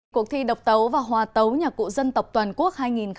cuộc thi độc tấu và hòa tấu nhạc cụ dân tộc toàn quốc hai nghìn hai mươi